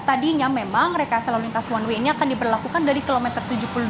tadinya memang rekayasa lalu lintas one way ini akan diberlakukan dari kilometer tujuh puluh lima